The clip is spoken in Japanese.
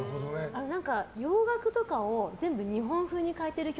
洋楽とかを全部、日本風に変えてる曲